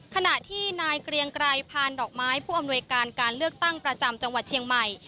ขณะที่นายเกรียงไกรพานดอกไม้ผู้อำนวยการการเลือกตั้งประจำจังหวัดเชียงใหม่